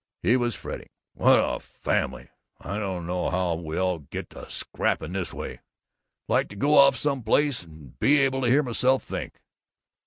He was fretting, "What a family! I don't know how we all get to scrapping this way. Like to go off some place and be able to hear myself think....